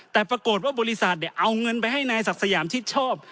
แต่ปรากฏว่าบริษัทเอาเงินไปให้นายศักดิ์สยามชิดชอบ